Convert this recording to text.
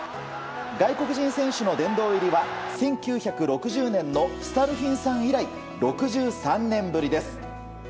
外国人選手の殿堂入りは１９６０年のスタルヒンさん以来６３年ぶりです。